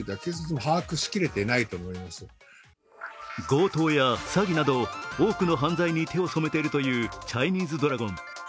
強盗や詐欺など多くの犯罪に手を染めているというチャイニーズドラゴン。